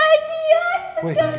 kiki bahagia sekali